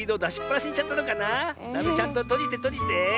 ダメちゃんととじてとじて。